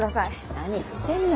何言ってんの？